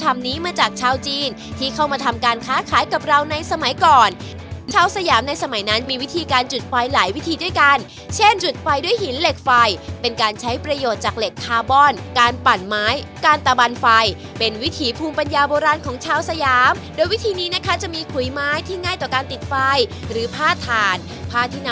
ทำนี้มาจากชาวจีนที่เข้ามาทำการค้าขายกับเราในสมัยก่อนชาวสยามในสมัยนั้นมีวิธีการจุดไฟหลายวิธีด้วยกันเช่นจุดไฟด้วยหินเหล็กไฟเป็นการใช้ประโยชน์จากเหล็กคาร์บอนการปั่นไม้การตะบันไฟเป็นวิถีภูมิปัญญาโบราณของชาวสยามโดยวิธีนี้นะคะจะมีขุยไม้ที่ง่ายต่อการติดไฟหรือผ้าถ่านผ้าที่น